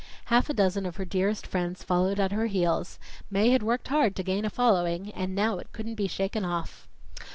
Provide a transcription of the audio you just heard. Half a dozen of her dearest friends followed at her heels; Mae had worked hard to gain a following, and now it couldn't be shaken off.